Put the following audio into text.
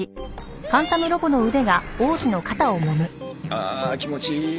ああ気持ちいい。